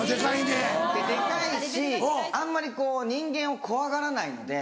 デカいしあんまり人間を怖がらないので。